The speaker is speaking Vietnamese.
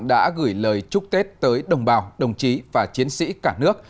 đã gửi lời chúc tết tới đồng bào đồng chí và chiến sĩ cả nước